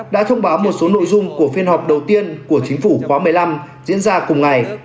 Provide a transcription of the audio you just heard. đã thông báo một số nội dung của phiên họp đầu tiên của chính phủ khóa một mươi năm diễn ra cùng ngày